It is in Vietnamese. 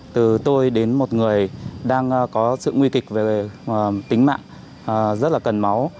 từ tôi đến một người đang có sự nguy kịch về tính mạng rất là cần máu